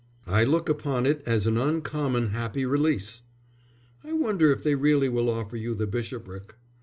"I look upon it as an uncommon happy release." "I wonder if they really will offer you the bishopric?"